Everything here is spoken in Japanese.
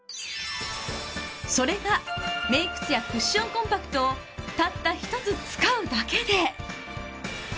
それがメイク艶クッションコンパクトをたった１つ使うだけで。